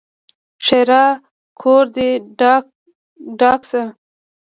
ښېرا: کور دې ډاک شه!